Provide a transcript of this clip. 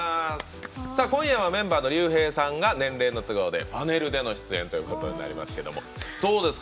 今夜はメンバーのＲＹＵＨＥＩさんが年齢の都合でパネルでの出演ということになりますけどどうですか？